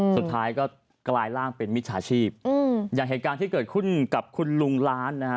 สุดท้ายก็กลายร่างเป็นมิจฉาชีพอย่างเหตุการณ์ที่เกิดขึ้นกับคุณลุงล้านนะฮะ